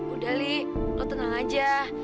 udah li lo tenang aja